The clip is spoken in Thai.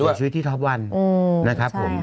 เสียชีวิตที่ท็อปวันนะครับผม